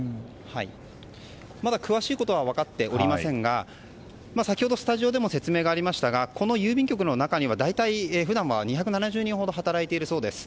まだ詳しいことは分かっておりませんが先ほど、スタジオでも説明がありましたがこの郵便局の中には大体普段は２７０人ほど働いているそうです。